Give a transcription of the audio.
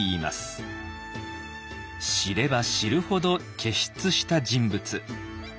知れば知るほど傑出した人物。